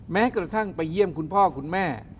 แม้กระทั่งไปเยี่ยมคุณพ่อคุณแม่